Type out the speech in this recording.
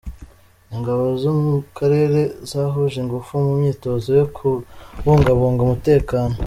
Ingabo zo mu karere zahuje ingufu mu myitozo yo kubungabunga umutekano